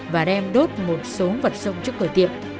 và đem đốt một số vật sông trước cửa tiệm